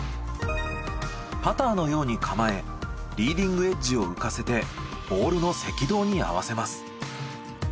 パターのように構えリーディングエッジを浮かせてボールの赤道に合わせます。